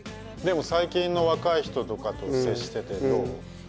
でも最近の若い人とかと接しててどう？